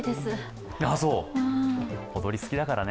踊り好きだからね。